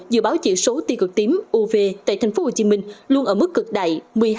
dự báo chỉ số tiêu cực tím uv tại thành phố hồ chí minh luôn ở mức cực đại một mươi hai một mươi ba